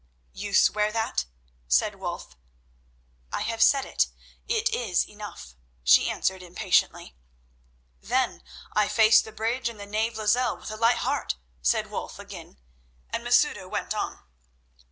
"You swear that?" said Wulf. "I have said it; it is enough," she answered impatiently. "Then I face the bridge and the knave Lozelle with a light heart," said Wulf again, and Masouda went on.